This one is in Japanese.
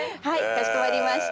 かしこまりました。